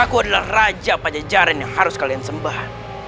aku adalah raja pajajaran yang harus kalian sembah